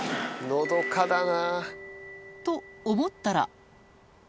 のどかだな。と思ったら！